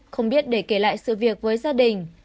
không biết để kể lại sự việc với gia đình